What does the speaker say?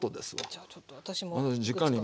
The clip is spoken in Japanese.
じゃあちょっと私も。